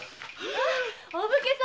お武家様。